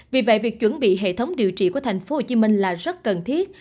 vì vậy việc chuẩn bị hệ thống điều trị của thành phố hồ chí minh là rất cần thiết